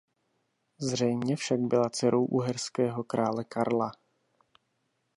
Zřejmě však byla dcerou uherského krále Karla.